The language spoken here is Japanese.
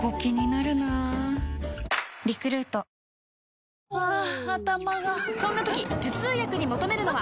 以上ハァ頭がそんな時頭痛薬に求めるのは？